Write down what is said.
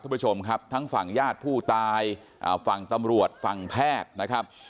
ผู้ชมครับทั้งฝั่งญาติผู้ตายฝั่งตำรวจฝั่งแพทย์นะครับ